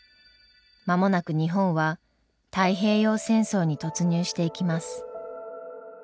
間もなく日本は太平洋戦争に突入していきます。